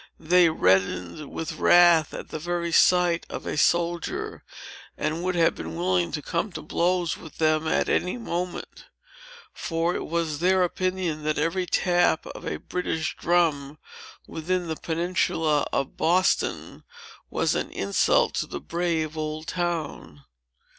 They reddened with wrath at the very sight of a soldier, and would have been willing to come to blows with them, at any moment. For it was their opinion, that every tap of a British drum within the peninsula of Boston, was an insult to the brave old town.